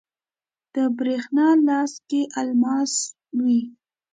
د بریښنا لاس کې الماس وی